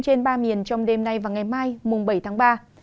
trên ba miền trong đêm nay và ngày mai mùng bảy tháng ba